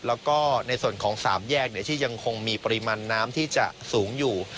แล้วก็ในส่วนของ๓แยกที่ยังคงมีปริมาณน้ำที่จะสูงอยู่